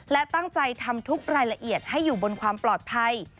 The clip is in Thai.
และตั้งใจทำทุกรายละเอียดให้อยู่บนความปลอดภัย